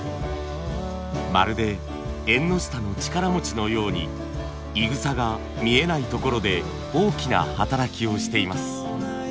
まるで縁の下の力持ちのようにいぐさが見えないところで大きな働きをしています。